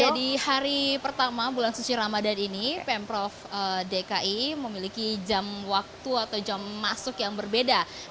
ya di hari pertama bulan suci ramadan ini pemprov dki memiliki jam waktu atau jam masuk yang berbeda